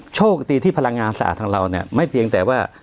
โชคดีที่พลังงานสะอาดทางเราเนี่ยไม่เพียงแต่ว่า